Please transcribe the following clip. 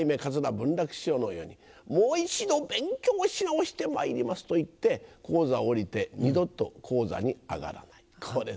文楽師匠のように「もう一度勉強し直してまいります」と言って高座を降りて二度と高座に上がらないこれだね。